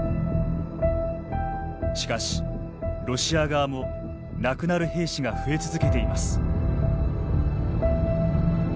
しかしロシア側も亡くなる兵士が増え続けています。